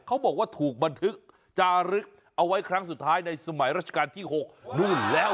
เขาบอกว่าถูกบันทึกจารึกเอาไว้ครั้งสุดท้ายในสมัยราชการที่๖นู่นแล้ว